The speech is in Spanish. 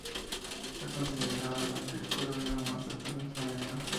Está considerada la criatura viva más letal del planeta.